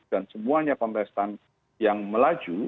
dan semuanya kontestan yang melaju